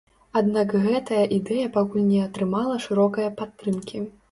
Аднак гэтая ідэя пакуль не атрымала шырокае падтрымкі.